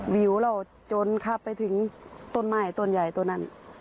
วิวเราจนข้ามไปถึงต้นไม้ต้นใหญ่ต้นนั้น